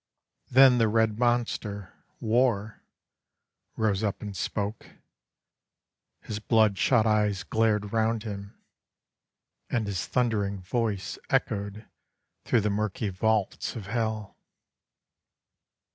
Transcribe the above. Then the red monster, War, rose up and spoke, His blood shot eyes glared 'round him, and his thundering voice Echoed through the murky vaults of Hell.